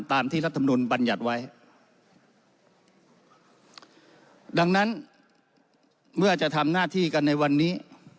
ตามที่รัฐมนุนบัญญัติไว้ดังนั้นเมื่อจะทำหน้าที่กันในวันนี้